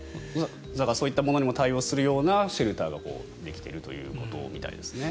そういったものにも対応するようなシェルターができているということみたいです。